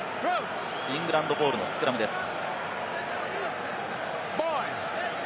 イングランドボールのスクラムです。